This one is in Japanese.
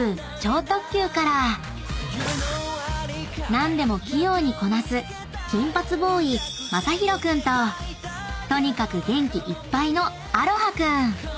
［何でも器用にこなす金髪ボーイマサヒロ君ととにかく元気いっぱいのアロハ君］